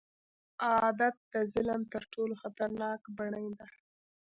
عادت د ظلم تر ټولو خطرناک بڼې ده.